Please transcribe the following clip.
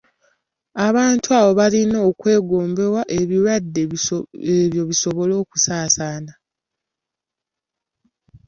Abantu abo baba balina okwegombebwa ebirwadde ebyo bisobole okusaasaana.